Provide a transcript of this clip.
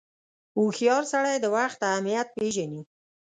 • هوښیار سړی د وخت اهمیت پیژني.